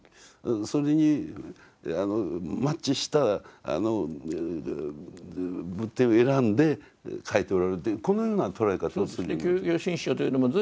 それにマッチした仏典を選んで書いておられるとこのような捉え方をするようになった。